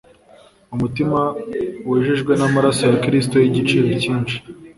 Umutima wejejwe n'amaraso ya Kristo y'igiciro cyinshi,